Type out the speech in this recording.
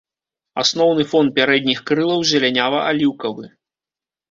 Асноўны фон пярэдніх крылаў зелянява-аліўкавы.